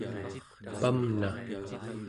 pamna